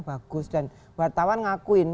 bagus dan wartawan ngakuin